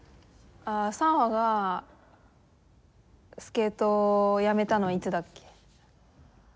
サンファがスケートをやめたのはいつだっけ？